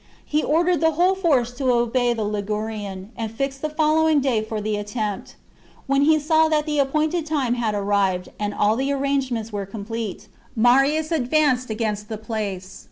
He ordered the whole force to obey the Ligurian, and fixed the following day for the attempt. When he saw that the appointed time had arrived, chap. and all the arrangements were complete, Marius ad vanced against the place.